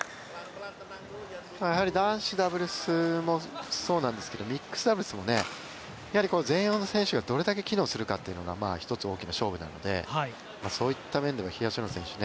男子ダブルスもそうなんですけどミックスダブルスも前衛の選手がどれだけ機能するかというのが一つ大きな勝負なのでそういった面でも東野選手